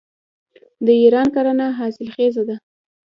د ایران کرنه حاصلخیزه ده.